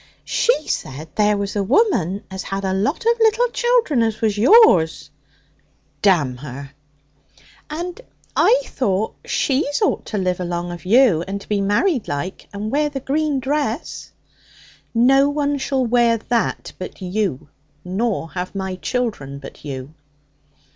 'She said there was a woman as had a lot of little children, as was yours.' 'Damn her!' 'And I thought she's ought to live along of you, and to be married like, and wear the green dress.' 'No one shall wear that but you, nor have my children but you.'